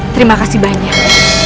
terima kasih banyak